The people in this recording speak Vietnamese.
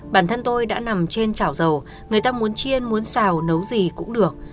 bản thân tôi đã nằm trên chảo dầu người ta muốn chiên muốn xào nấu gì cũng được